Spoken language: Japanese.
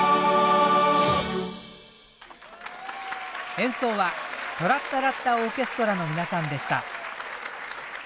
演奏はトラッタラッタオーケストラの皆さんでした。